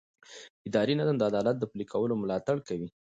اداري نظام د عدالت د پلي کولو ملاتړ کوي.